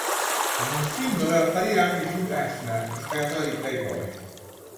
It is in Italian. Nel film doveva apparire anche Hugh Hefner, il creatore di "Playboy".